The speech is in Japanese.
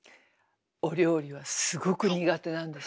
お料理はすごく苦手なんです。